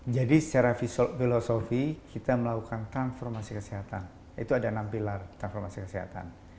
jadi secara filosofi kita melakukan transformasi kesehatan itu ada enam pilar transformasi kesehatan